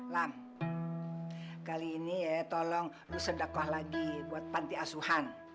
lam kali ini ya tolong bu sedakwah lagi buat panti asuhan